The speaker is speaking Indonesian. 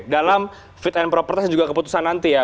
dalam fit and propertise juga keputusan nanti ya